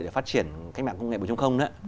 để phát triển cách mạng công nghệ bộ chống không đó